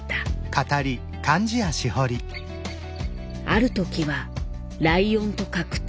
ある時はライオンと格闘。